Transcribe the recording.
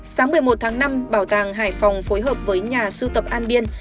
sáng một mươi một tháng năm bảo tàng hải phòng phối hợp với nhà sưu tập an biên